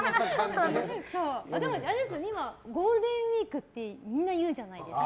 今はゴールデンウィークってみんな言うじゃないですか。